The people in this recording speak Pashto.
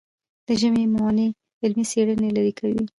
د ژبې موانع علمي څېړنې لیرې کوي.